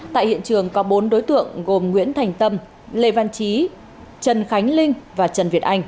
tại hiện trường có bốn đối tượng gồm nguyễn thành tâm lê văn trí trần khánh linh và trần việt anh